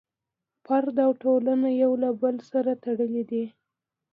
فرد او ټولنه یو له بل سره تړلي دي.